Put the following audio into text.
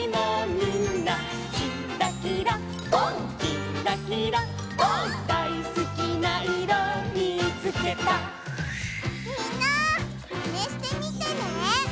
みんなマネしてみてね！